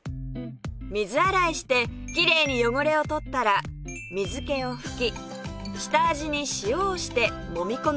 水洗いしてキレイに汚れを取ったら水気をふき下味に塩をしてもみ込みます